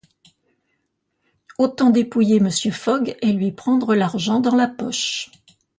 Autant dépouiller Mr. Fogg, et lui prendre l’argent dans la poche!